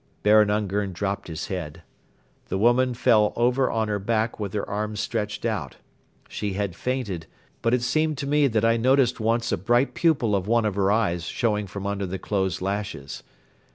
..." Baron Ungern dropped his head. The woman fell over on her back with her arms stretched out. She had fainted, but it seemed to me that I noticed once a bright pupil of one of her eyes showing from under the closed lashes.